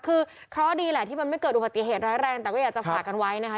คือเคราะห์ดีแหละที่มันไม่เกิดอุบัติเหตุร้ายแรงแต่ก็อยากจะฝากกันไว้นะคะ